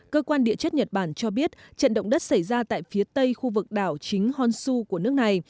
cơ quan địa chất nhật bản cho biết trận động đất xảy ra tại phía tây khu vực đảo chính honsu của nước này